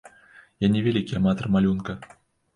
Я не вялікі аматар малюнка.